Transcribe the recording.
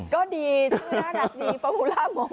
ก็ดีชื่อน่ารักดีฟอร์มูล่าโม้ง